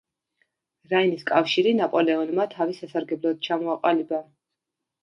რაინის კავშირი ნაპოლეონმა თავის სასარგებლოდ ჩამოაყალიბა.